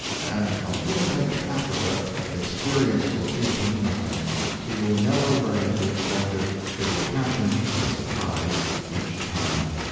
And from Winnipeg to Africa, experience will teach him nothing; he will never learn to expect it, it will catch him as a surprise each time.